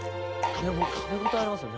かみ応えありますよね。